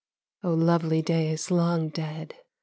Oh, lovely days long dead